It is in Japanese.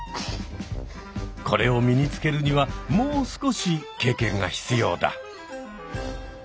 これを身につけるにはもう少し経験が必要だ。